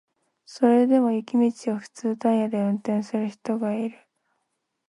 それでも雪道を普通タイヤで運転する人がいる